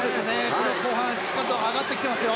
この後半、しっかりと上がってきていますよ。